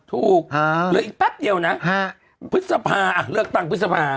ถูกหรืออีกแป๊บเดียวนะฮะพฤษภาอ่ะเริ่มตั้งพฤษภา